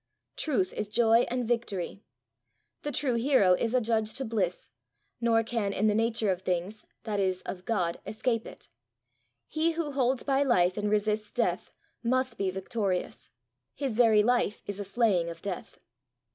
Truth is joy and victory. The true hero is adjudged to bliss, nor can in the nature of things, that is, of God, escape it. He who holds by life and resists death, must be victorious; his very life is a slaying of death.